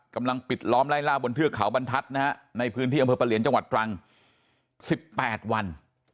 กำลังปิดล้อมไล่ล่าบนเทือกเขาบรรทัศน์นะฮะในพื้นที่อำเภอปะเหลียนจังหวัดตรัง๑๘วัน